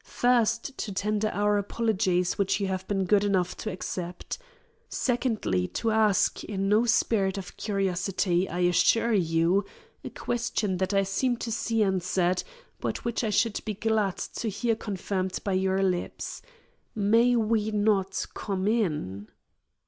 First, to tender our apologies, which you have been good enough to accept; secondly, to ask, in no spirit of curiosity, I assure you, a question that I seem to see answered, but which I should be glad to hear confirmed by your lips. May we not come in?"